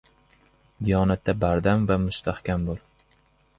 — Diyonatda bardam va mustahkam bo‘l.